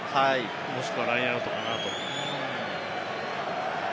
もしくはラインアウトかなって。